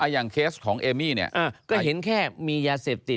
เคสของเอมี่เนี่ยก็เห็นแค่มียาเสพติด